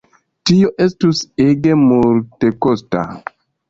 Tio estus ege multekosta.